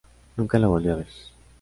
Nunca la volvió a ver.